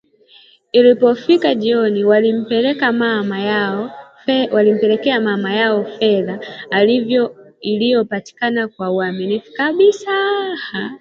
Ilivyofika jioni walimpelekea mama yao fedha iliyopatikana kwa uaminifu kabisa